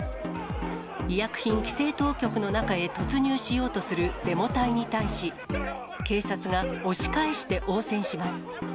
医薬品規制当局の中へ突入しようとするデモ隊に対し、警察が押し返して応戦します。